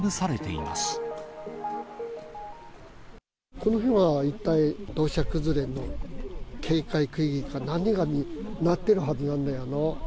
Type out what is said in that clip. この辺は一帯、土砂崩れの警戒区域か何かになってるはずなんだよな。